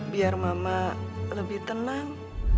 biar mama lebih tenang